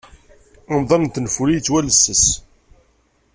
Amḍan n tenfuli yettwalesses.